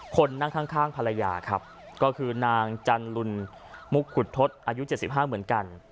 คนนั่งข้างภรรยาครับก็คือนางจันลุลมุกขุดทศอายุ๗๕เหมือนกัน